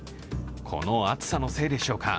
この暑さのせいでしょうか。